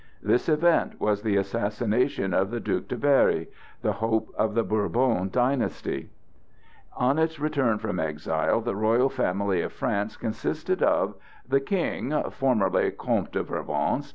This event was the assassination of the Duc de Berry, the hope of the Bourbon dynasty. On its return from exile the royal family of France consisted of: The King, formerly Comte de Provence.